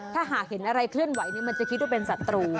ถ้าหากเห็นอะไรเคลื่อนไหวมันจะคิดว่าเป็นศัตรู